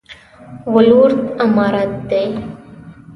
ولورت عمارت دی؟